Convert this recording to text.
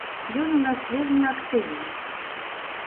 Ён у нас вельмі актыўны.